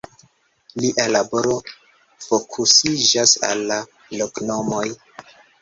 Lia laboro fokusiĝas al la loknomoj.